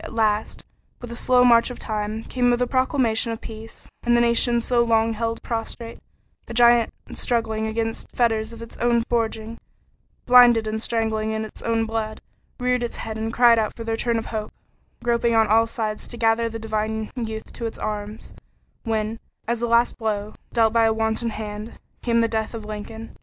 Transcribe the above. At last, with the slow march of time, came the proclamation of peace, and the nation so long held prostrate a giant struggling against fetters of its own forging, blinded and strangling in its own blood reared its head and cried out for the return of Hope, groping on all sides to gather the divine youth to its arms, when, as a last blow, dealt by a wanton hand, came the death of Lincoln.